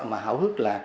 mà háo hức là